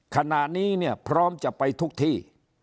ขณะนี้พร้อมจะไปทุกที่